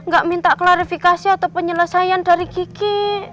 ga minta klarifikasi atau penyelesaian dari geki